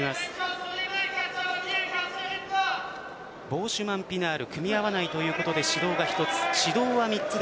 ボーシュマンピナール組み合わないということで指導が１つ。